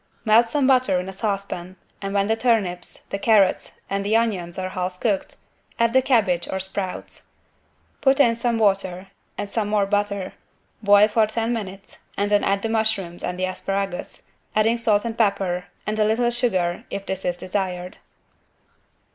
Melt some butter in a saucepan and when the turnips, the carrots and the onions are half cooked, add the cabbage or sprouts. Put in some water and some more butter, boil for ten minutes and then add the mushrooms and the asparagus, adding salt and pepper, and a little sugar if this is desired.